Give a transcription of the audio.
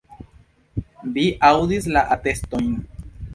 Vi aŭdis la atestojn.